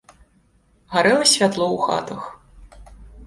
Гарэла святло ў хатах.